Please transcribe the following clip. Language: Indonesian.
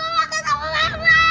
aku mau ketemu mama